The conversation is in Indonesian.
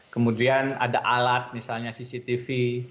kemudian ada alat misalnya cctv